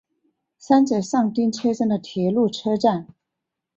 三泽上町车站的铁路车站。